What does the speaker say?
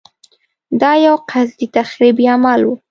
دا یو قصدي تخریبي عمل و.